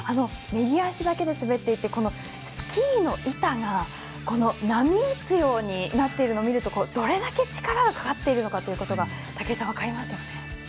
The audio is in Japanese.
右足だけで滑っていてスキーの板が波打つようになっているのを見るとどれだけ力がかかっているのかというのが分かりますよね。